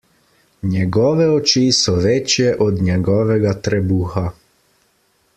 Njegove oči so večje od njegovega trebuha.